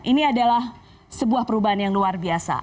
ini adalah sebuah perubahan yang luar biasa